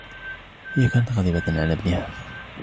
هىَ كانت غاضبة علىَ إبنها.